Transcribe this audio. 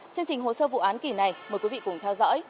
chương trình hồ sơ vụ án kỳ này mời quý vị cùng theo dõi